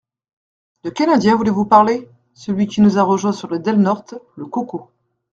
De quel Indien voulez-vous parler ? Celui qui nous a rejoints sur le Del-Norte, le Coco.